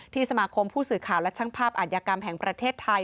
สมาคมผู้สื่อข่าวและช่างภาพอาธิกรรมแห่งประเทศไทย